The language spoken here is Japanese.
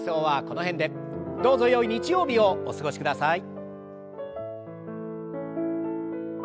どうぞよい日曜日をお過ごしください。